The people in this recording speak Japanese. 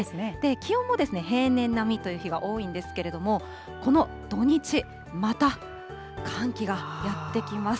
気温も平年並みという日が多いんですけれども、この土日、また寒気がやって来ます。